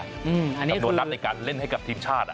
อันนี้คือจำนวดนัดในการเล่นให้กับทีมชาติ